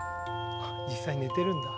あ実際寝てるんだ。